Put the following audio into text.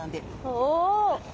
おお！